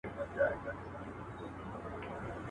چي هغوی د خپلي وړتيا څرګندونه وکړای سي